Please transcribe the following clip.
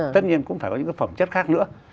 tất nhiên cũng phải có những cái phẩm chất khác nữa